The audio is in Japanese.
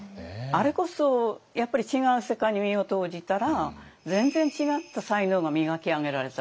あれこそやっぱり違う世界に身を投じたら全然違った才能が磨き上げられたわけですよね。